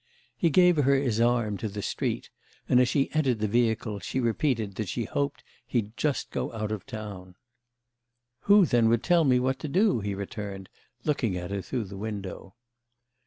He gave her his arm to the street, and as she entered the vehicle she repeated that she hoped he'd just go out of town. "Who then would tell me what to do?" he returned, looking at her through the window.